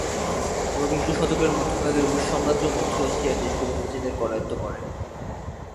ঊনবিংশ শতকের মধ্যভাগে রুশ সাম্রাজ্য মধ্য এশিয়ার দেশগুলো নিজেদের করায়ত্ত্ব করে।